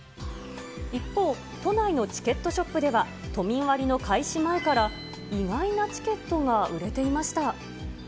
一方、都内のチケットショップでは、都民割の開始前から意外なチケットが売れていました。